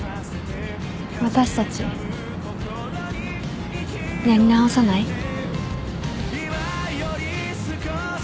私たちやり直さない？